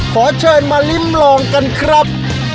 ขอเชิญมาลิ้มลองกันครับ